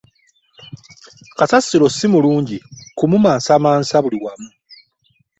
Kasasiro si mulungi kumansamansa buli wamu.